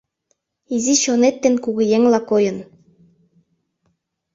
Изи чонет ден кугыеҥла койын